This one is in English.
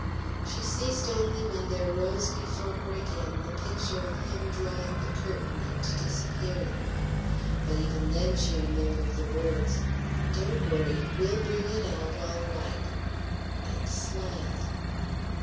She ceased only when there rose before her again the picture of him drawing the curtain and disappearing; but even then she remembered the words, "Don't worry; we'll bring it out all right," and smiled.